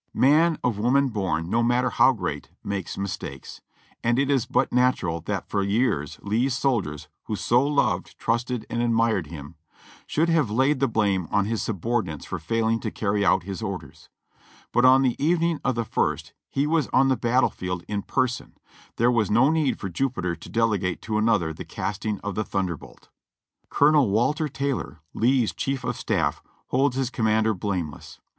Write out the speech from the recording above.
Man of woman born, no matter how great, makes mistakes, and it is but natural that for years Lee's soldiers, who so loved, trusted and admired him, should have laid the blame on his subordinates for failing to carry out his orders. But on the evening of the ist he was on the battle field in person; there was no need for Jupiter to delegate to another the casting of the thunderbolt. Colonel Walter Taylor, Lee's Chief of Staff, holds his com mander blameless.